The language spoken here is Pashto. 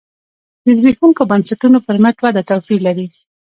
د زبېښونکو بنسټونو پر مټ وده توپیر لري.